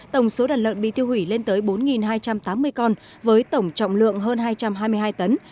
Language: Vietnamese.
tổng số đàn lợn bị tiêu hủy lên tới bốn hai trăm tám mươi con với tổng trọng lượng hơn hai trăm hai mươi hai tấn